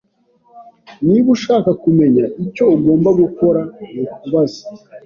Niba ushaka kumenya, icyo ugomba gukora nukubaza.